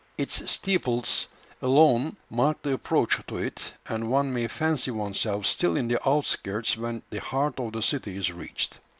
Its steeples alone mark the approach to it, and one may fancy oneself still in the outskirts when the heart of the city is reached.